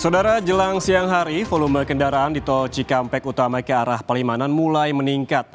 saudara jelang siang hari volume kendaraan di tol cikampek utama ke arah palimanan mulai meningkat